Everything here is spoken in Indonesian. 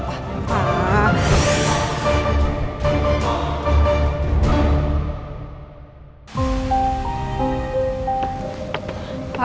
bapak sama mamah